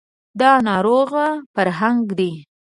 دا ناروغ فرهنګ دی